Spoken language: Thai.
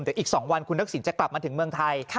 เดี๋ยวอีก๒วันคุณทักษิณจะกลับมาถึงเมืองไทย